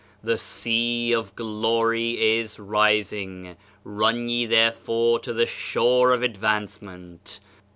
The Sea of Glory is rising; run ye therefore to the Shore of Advancement!